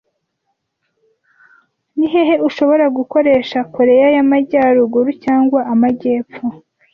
Ni hehe ushobora gukoresha Koreya y'Amajyaruguru cyangwa Amajyepfo